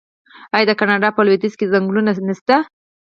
آیا د کاناډا په لویدیځ کې ځنګلونه نشته؟